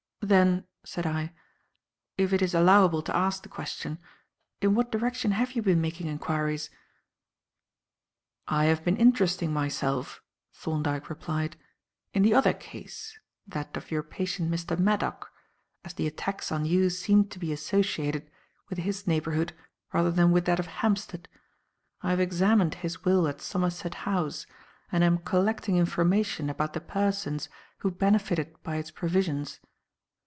"Then," said I, "if it is allowable to ask the question, in what direction have you been making enquiries?" "I have been interesting myself," Thorndyke replied, "in the other case; that of your patient Mr. Maddock, as the attacks on you seemed to be associated with his neighbourhood rather than with that of Hampstead. I have examined his will at Somerset House and am collecting information about the persons who benefited by its provisions.